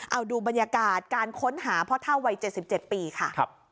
เอาดูบรรยากาศการค้นหาพ่อเท่าวัย๗๗ปีค่ะ